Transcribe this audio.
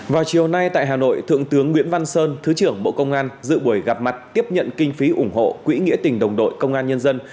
vào chiều nay tại hà nội thượng tướng nguyễn văn sơn thứ trưởng bộ công an dự buổi gặp mặt tiếp nhận kinh phí ủng hộ quỹ nghĩa tình đồng đội công an nhân dân